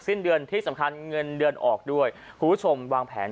สิ้นเดือนที่สำคัญเงินเดือนออกด้วยคุณผู้ชมวางแผน